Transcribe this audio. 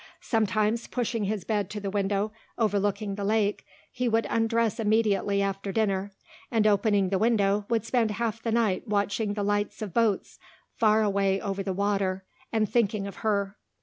Sometimes pushing his bed to the window overlooking the lake, he would undress immediately after dinner and opening the window would spend half the night watching the lights of boats far away over the water and thinking of her.